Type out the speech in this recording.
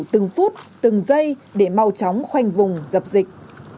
từng phút từng giây để mau chóng khoanh vùng dập dịch